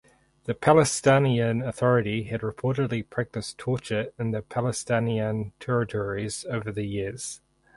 The Palestinian Authority had reportedly practiced torture in the Palestinian territories over the years.